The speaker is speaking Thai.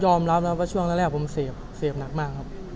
ยอมรับนะครับเพราะช่วงแรกผมเสพหนักมากครับ